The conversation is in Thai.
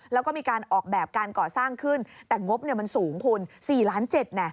แล้วก็มีการออกแบบการก่อสร้างขึ้นแต่งบมันสูงคุณ๔ล้าน๗